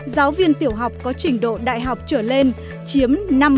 giáo viên tiểu học có trình độ đại học trở lên chiếm năm mươi chín sáu mươi bốn